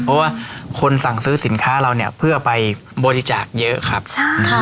เพราะว่าคนสั่งซื้อสินค้าเราเนี่ยเพื่อไปบริจาคเยอะครับใช่